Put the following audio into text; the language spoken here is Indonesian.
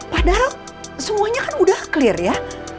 padahal semuanya kan udah clear ya